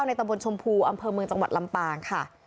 ตำบลชมพูอำเภอเมืองจังหวัดลำปางค่ะ